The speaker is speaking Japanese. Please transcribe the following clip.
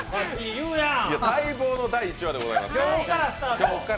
待望の第１話でございますから。